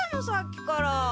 さっきから。